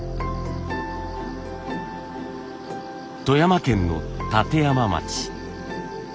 富山県の立山町。